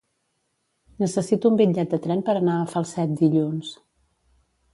Necessito un bitllet de tren per anar a Falset dilluns.